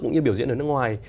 cũng như biểu diễn ở nước ngoài